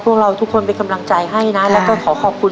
พวกเราทุกคนไปคำลังใจให้และขอขอบคุณ